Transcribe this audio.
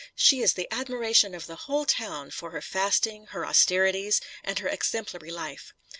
She is the admiration of the whole town, for her fasting, her austerities, and her exemplary life.